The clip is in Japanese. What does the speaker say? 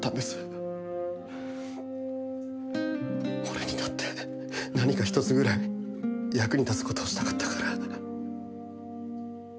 俺にだって何か一つぐらい役に立つ事をしたかったから。